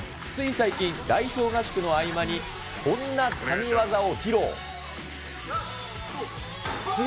つい最近、代表合宿の合間に、こんな神業を披露。